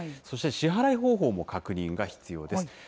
そして、支払い方法も確認が必要です。